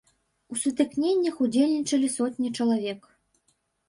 У сутыкненнях удзельнічалі сотні чалавек.